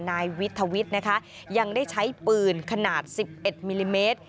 นายวิทวิทย์นะคะยังได้ใช้ปืนขนาด๑๑มิลลิเมตร